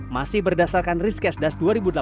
masih berdasarkan risk case das dua ribu delapan belas